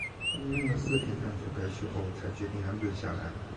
他们用了四天探索该区后才决定安顿下来。